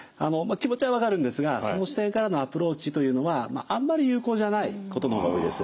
気持ちは分かるんですがその視点からのアプローチというのはあんまり有効じゃないことの方が多いです。